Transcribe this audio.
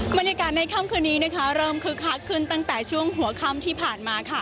บรรยากาศในค่ำคืนนี้เริ่มคึกคักขึ้นตั้งแต่ช่วงหัวค่ำที่ผ่านมา